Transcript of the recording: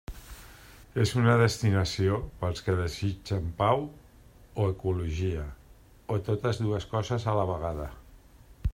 És una destinació pels que desitgen pau o ecologia, o totes dues coses a la vegada.